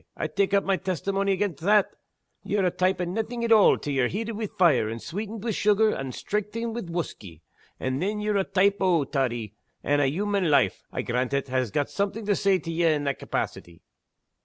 I tak' up my testimony against that. Ye're a type o' naething at all till ye're heated wi' fire, and sweetened wi' sugar, and strengthened wi' whusky; and then ye're a type o' toddy and human life (I grant it) has got something to say to ye in that capacity!"